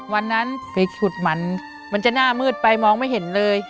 วันนั้นไปฉุดหมันมันจะหน้ามืดไปมองไม่เห็นเลย